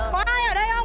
có ai ở đây không